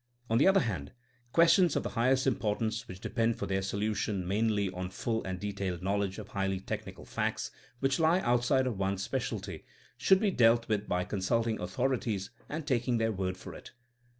On the other hand, questions of the highest im portance which depend for their solution mainly on full and detailed knowledge of highly tech nical facts which lie outside of one's specialty, should be dealt with by consulting authorities and taking their word for it.